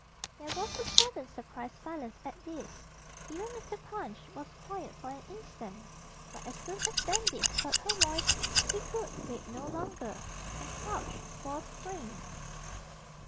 There was a sudden surprised silence at this even Mr. Punch was quiet for an instant; but as soon as Dandy heard her voice he could wait no longer, and crouched for a spring.